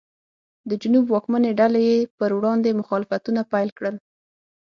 د جنوب واکمنې ډلې یې پر وړاندې مخالفتونه پیل کړل.